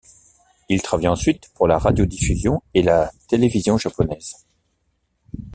Il travaille ensuite pour la radiodiffusion et la télévision japonaises.